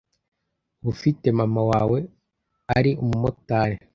uba ufite mama wawe ari umumotari